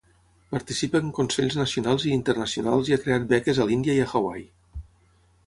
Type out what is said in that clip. Participa en consells nacionals i internacionals i ha creat beques a l'Índia i a Hawaii.